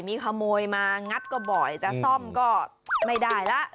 มีขโมยมางัดก็บ่อยจะซ่อมก็ไม่ได้ละ